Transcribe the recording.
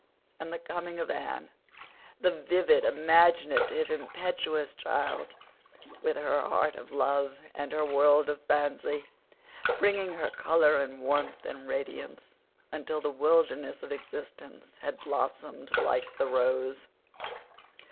And the coming of Anne—the vivid, imaginative, impetuous child with her heart of love, and her world of fancy, bringing with her color and warmth and radiance, until the wilderness of existence had blossomed like the rose.